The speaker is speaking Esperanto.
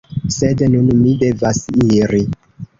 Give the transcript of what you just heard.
Sed nun mi devas iri.